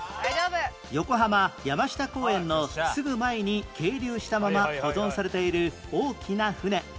横浜山下公園のすぐ前に係留したまま保存されている大きな船